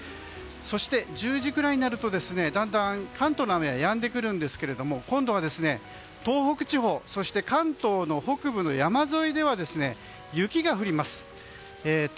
そして、１０時ぐらいになるとだんだん関東の雨はやんでくるんですけれども今度は東北地方そして、関東の北部の山沿いでは雪が降ります。